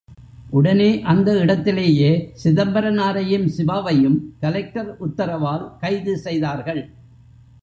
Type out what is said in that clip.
உடனே, அந்த இடத்திலேயே, சிதம்பரனாரையும், சிவாவையும் கலெக்டர் உத்தரவால் கைது செய்தார்கள்.